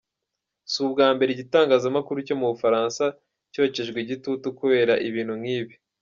Si ubwa mbere igitangazamakuru cyo mu Bufaransa cyokejwe igitutu kubera ibintu nk’ibi.